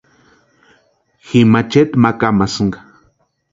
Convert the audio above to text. Ji macheti ma kámasïnka.